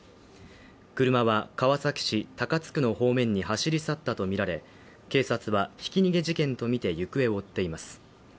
車は川崎市高津区の方面に走り去ったとみられ警察はひき逃げ事件とみて行方を追っています。